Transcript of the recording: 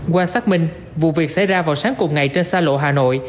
qua xác minh vụ việc xảy ra vào sáng cùng ngày trên xa lộ hà nội